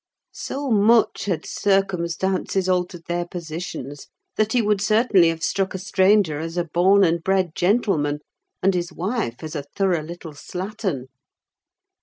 So much had circumstances altered their positions, that he would certainly have struck a stranger as a born and bred gentleman; and his wife as a thorough little slattern!